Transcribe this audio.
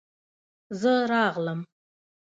زه راغلم.